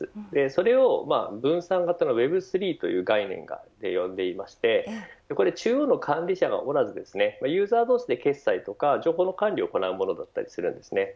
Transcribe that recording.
それを分散型のＷｅｂ３という概念が及んでいまして中央の管理者がユーザー同士で決済や情報の管理を行うものです。